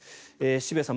渋谷さん